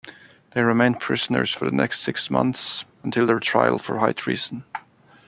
They remained prisoners for the next six months, until their trial for high treason.